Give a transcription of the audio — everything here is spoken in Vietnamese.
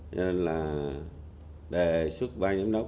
cho nên là đề xuất ba giám đốc